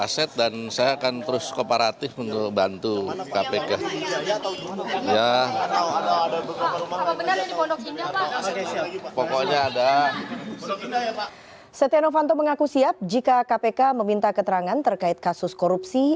setia novanto mengaku siap jika kpk meminta keterangan terkait kasus korupsi